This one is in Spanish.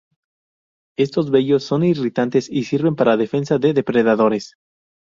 Estos vellos son irritantes y sirven para defensa de depredadores.